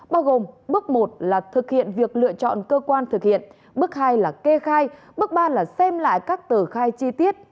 bao gồm bước một là thực hiện việc lựa chọn cơ quan thực hiện bước hai là kê khai bước ba là xem lại các tờ khai chi tiết